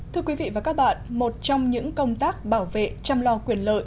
thưa quý vị và các bạn một trong những công tác bảo vệ chăm lo quyền lợi